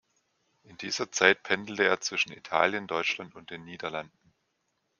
In dieser Zeit pendelte er zwischen Italien, Deutschland und den Niederlanden.